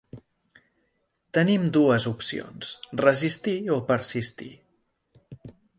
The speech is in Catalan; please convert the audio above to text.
Tenim dues opcions: resistir o persistir.